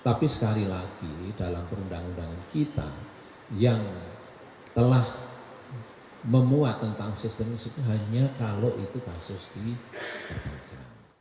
tapi sekali lagi dalam perundang undangan kita yang telah memuat tentang sistem hanya kalau itu kasus diperpanjang